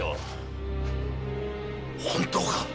本当か！？